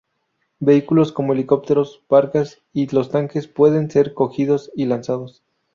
Vehículos como helicópteros, barcas, y los tanques pueden ser cogidos y lanzados.